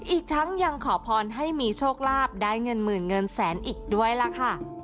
อีกทั้งยังขอพรให้มีโชคลาภได้เงินหมื่นเงินแสนอีกด้วยล่ะค่ะ